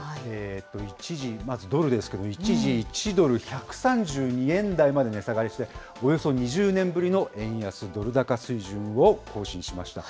一時、まずドルですけれども、一時１ドル１３２円台まで値下がりして、およそ２０年ぶりの円安ドル高水準を更新しました。